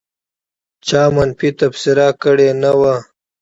چا منفي تبصره کړې نه وه.